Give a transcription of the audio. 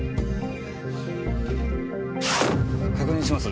確認します。